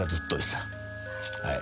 「はい。